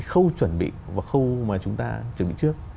khâu chuẩn bị và khâu mà chúng ta chuẩn bị trước